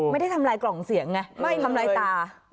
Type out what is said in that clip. ไม่ได้ทำลายกล่องเสียงไงไม่ทำลายตา